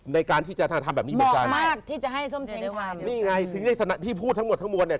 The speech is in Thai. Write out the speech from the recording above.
ในการที่จะทำแบบนี้หมดกันมอบมากที่จะให้ท่มเชียงทำนี่ไงที่พูดทั้งหมดทั้งมวลเนี่ย